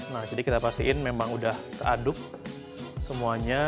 nah jadi kita pastiin memang udah teraduk semuanya